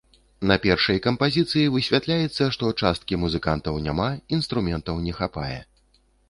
На першай кампазіцыі высвятляецца, што часткі музыкантаў няма, інструментаў не хапае.